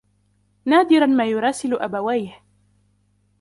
نادرا ما يراسل أبويه.